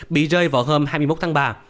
bị rơi vào hôm hai mươi một tháng ba